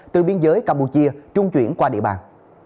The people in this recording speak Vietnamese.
từ biên giới campuchia trung chuyển qua địa bàn